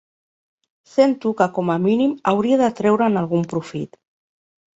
Sento que com a mínim hauria de treure'n algun profit.